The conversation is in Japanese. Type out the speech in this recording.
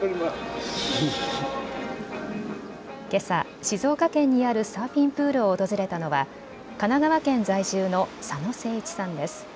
けさ、静岡県にあるサーフィンプールを訪れたのは神奈川県在住の佐野誠一さんです。